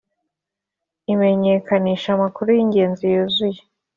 Imenyekanisha amakuru y ingenzi yuzuye